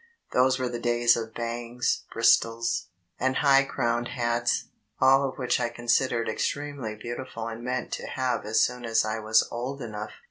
Those were the days of bangs, bris tles, and high crowned hats, all of which I considered ex tremely beautiful and meant to have as soon as I was old enough.